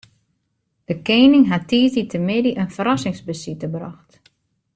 De kening hat tiisdeitemiddei in ferrassingsbesite brocht.